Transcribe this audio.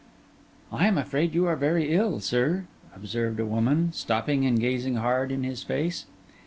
'I am afraid you are very ill, sir,' observed a woman, stopping and gazing hard in his face.